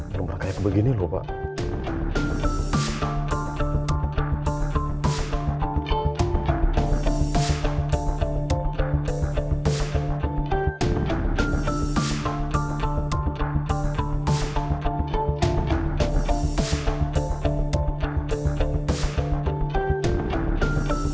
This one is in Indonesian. belum pernah kayak begini pak